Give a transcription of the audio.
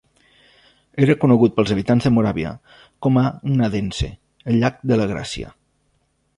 Era conegut pels habitants de Moravia com a "Gnadensee", "el llac de la gràcia".